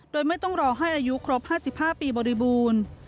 โดยไม่ต้องรอให้อายุครบ๕๕ปีบริบูรณ์